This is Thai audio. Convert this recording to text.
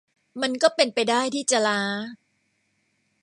มันก็เป็นไปได้ที่จะล้า